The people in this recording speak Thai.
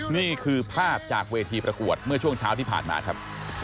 นี่คือภาพจากเวทีประกวดเมื่อช่วงเช้าที่ผ่านมาครับ